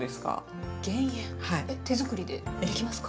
えっ手作りでできますか？